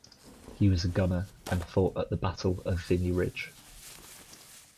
He was a gunner and fought at the Battle of Vimy Ridge.